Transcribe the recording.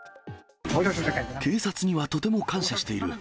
警察にはとても感謝している。